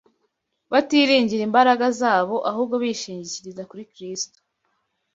batiringira imbaraga zabo, ahubwo bishingikiriza kuri Kristo